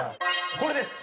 これです。